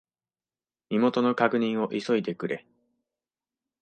身元の確認を急いでくれ。